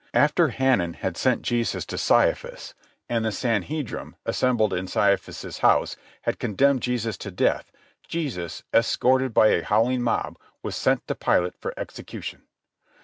After Hanan had sent Jesus to Caiaphas, and the Sanhedrim, assembled in Caiaphas's house, had condemned Jesus to death, Jesus, escorted by a howling mob, was sent to Pilate for execution.